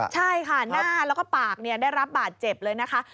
ใช่ค่ะหน้าแล้วก็ปากได้รับบาดเจ็บเลยนะคะ